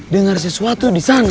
denger sesuatu disana